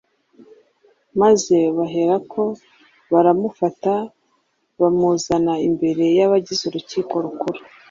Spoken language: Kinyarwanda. maze baherako baramufata bamuzana imbere y’abagize urukiko rukuru